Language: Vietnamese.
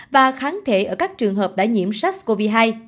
và kháng thể ở các trường hợp đã nhiễm sars cov hai